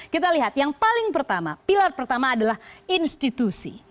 kita lihat yang paling pertama pilar pertama adalah institusi